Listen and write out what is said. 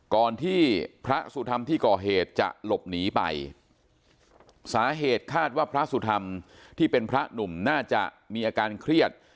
ก่อนที่พระสุธรรมที่ก่อเหตุจะหลบหนีไปสาเหตุคาดว่าพระสุธรรมที่เป็นพระหนุ่มน่าจะมีอาการเครียด